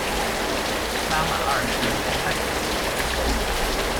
拉玛二世派他抵御。